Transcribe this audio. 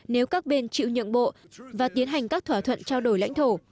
nếu các bên chịu nhượng bộ và tiến hành các thỏa thuận trao đổi lãnh thổ